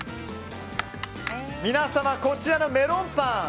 皆様、こちらのメロンパン。